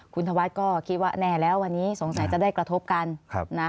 คุณธวัฒน์ก็คิดว่าแน่แล้ววันนี้สงสัยจะได้กระทบกันนะ